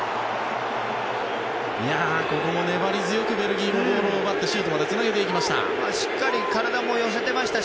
ここも粘り強くベルギーのボールを奪ってシュートまでつないでいきました。